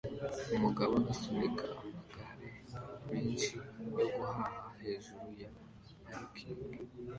Umugabo asunika amagare menshi yo guhaha hejuru ya parikingi